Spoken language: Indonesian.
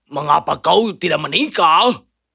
mengapa kau tidak menikah